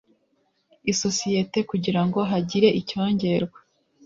isosiyete kugira ngo hagire icyongerwa